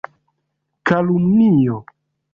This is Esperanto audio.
Kalumnio.